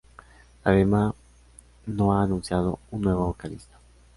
Adema no ha anunciado un nuevo vocalista.